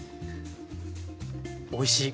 おいしい。